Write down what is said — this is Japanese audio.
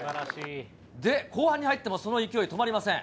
で、後半に入ってもその勢い止まりません。